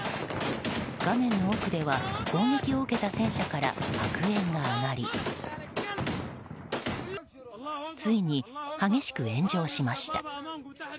画面の奥では攻撃を受けた戦車から白煙が上がりついに、激しく炎上しました。